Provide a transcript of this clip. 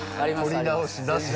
撮り直しなし。